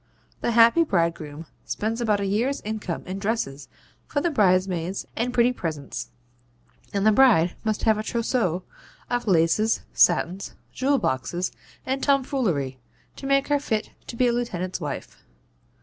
The happy bridegroom spends about a year's income in dresses for the bridesmaids and pretty presents; and the bride must have a TROUSSEAU of laces, satins, jewel boxes and tomfoolery, to make her fit to be a lieutenant's wife.